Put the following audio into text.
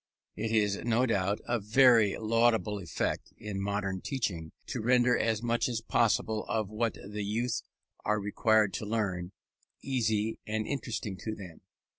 It is, no doubt, a very laudable effort, in modern teaching, to render as much as possible of what the young are required to learn, easy and interesting to them.